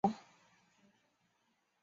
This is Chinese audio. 雍正十三年八月清高宗即位沿用。